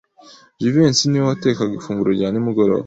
Jivency niwe watekaga ifunguro rya nimugoroba.